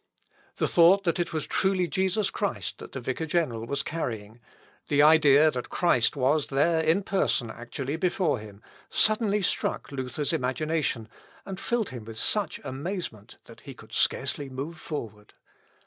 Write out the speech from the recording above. The thought that it was truly Jesus Christ that the vicar general was carrying the idea that Christ was there in person actually before him suddenly struck Luther's imagination, and filled him with such amazement that he could scarcely move forward.